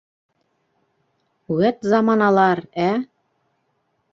Вәт заманалар, ә?!.